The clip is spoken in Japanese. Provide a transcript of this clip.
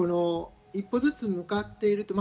一歩ずつ向かっている。